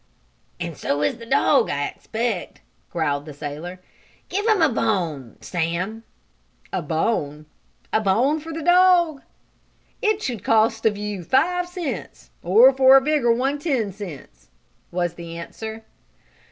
"And so is the dog, I expect," growled the sailor. "Give him a bone Sam." "A bone? A bone for the dog? It should of cost you five cents, or for a bigger one ten cents," was the answer.